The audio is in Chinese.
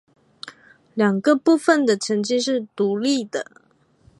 两个部分的成绩是独立的。